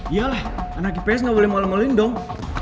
yalah anak ips gak boleh malah sama alin dong